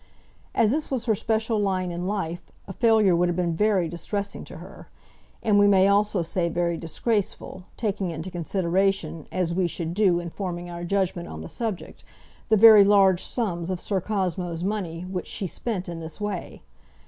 As this was her special line in life, a failure would have been very distressing to her; and we may also say very disgraceful, taking into consideration, as we should do in forming our judgement on the subject, the very large sums of Sir Cosmo's money which she spent in this way.